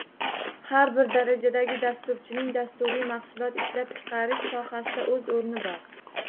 Har bir darajadagi dasturchining dasturiy mahsulot ishlab chiqarish sohasida o’z o’rni bor